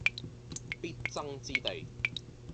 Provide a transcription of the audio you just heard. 必爭之地